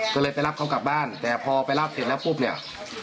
ก็เลยไปรับเขากลับบ้านแต่พอไปรับเสร็จแล้วปุ๊บเนี่ย